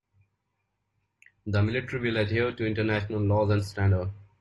The Military will adhere to international laws and standards.